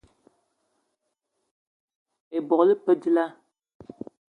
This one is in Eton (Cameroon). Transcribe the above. Ebok e pe dilaah?